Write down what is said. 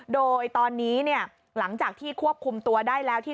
โดยตอนนี้เนี่ยหลังจากที่ควบคุมตัวได้แล้วที่